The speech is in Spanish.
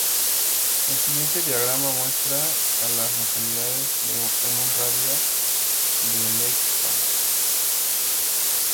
El siguiente diagrama muestra a las localidades en un radio de de Lake Park.